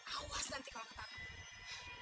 awas nanti kalau ketahuan